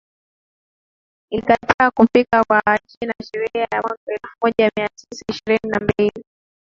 ilikataa kufika kwa Wachina sheria ya mwaka elfumoja miatisa ishirini na mbili